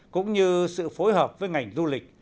cũng như sự phối hợp với ngành du lịch